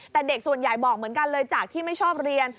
แต่เด็กส่วนใหญ่บอกเหมือนกันเลยจากที่ไม่ชอบเรียน